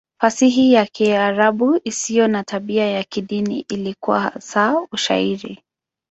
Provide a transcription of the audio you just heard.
Fasihi ya Kiarabu isiyo na tabia ya kidini ilikuwa hasa Ushairi.